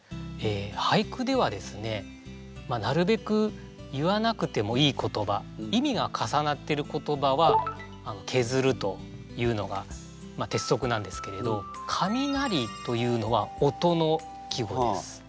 俳句ではですねなるべく言わなくてもいい言葉意味がかさなってる言葉はけずるというのが鉄則なんですけれど「かみなり」というのは音の季語です。